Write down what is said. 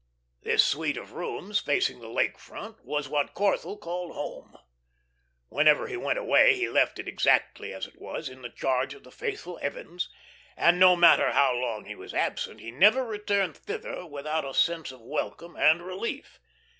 This suite of rooms, facing the Lake Front, was what Corthell called "home," Whenever he went away, he left it exactly as it was, in the charge of the faithful Evans; and no mater how long he was absent, he never returned thither without a sense of welcome and relief.